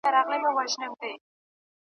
چي بې نصیبه څوک له کتاب دی .